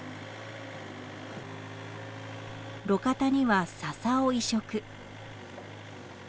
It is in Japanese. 路肩にはササを移植。